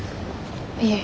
いえ。